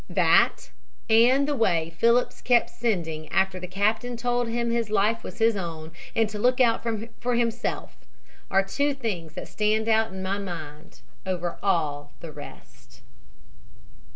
"That and the way Phillips kept sending after the captain told him his life was his own, and to look out for himself, are two things that stand out in my mind over all the rest."